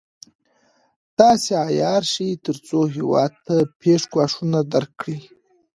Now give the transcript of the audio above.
داسې عیار شي تر څو هېواد ته پېښ ګواښونه درک کړي.